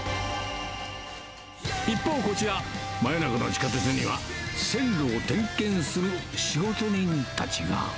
一方、こちら、真夜中の地下鉄には、線路を点検する仕事人たちが。